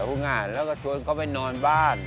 ทำงานแล้วก็ชวนเขาไปนอนบ้าน